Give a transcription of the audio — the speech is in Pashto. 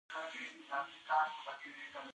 د افغانستان طبیعت له طبیعي زیرمې څخه جوړ شوی دی.